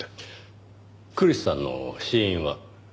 クリスさんの死因は？